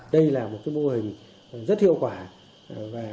đây là một mô hình rất hiệu quả